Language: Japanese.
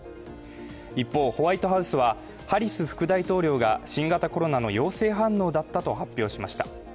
一方、ホワイトハウスは、ハリス副大統領が新型コロナの陽性反応だったと発表しました。